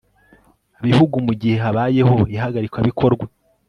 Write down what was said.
bihugu mu gihe habayeho ihagarikabikorwa